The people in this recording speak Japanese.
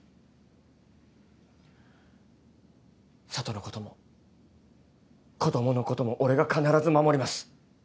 佐都のことも子供のことも俺が必ず守ります。